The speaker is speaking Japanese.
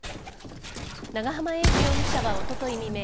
長浜英二容疑者はおととい未明